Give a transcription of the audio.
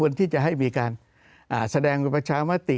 ที่จะให้มีการแสดงประชามติ